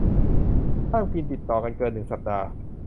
ห้ามกินติดต่อกันเกินหนึ่งสัปดาห์